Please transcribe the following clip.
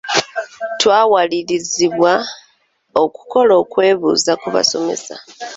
Twawalirizibwa okukola okwebuuza ku basomesa.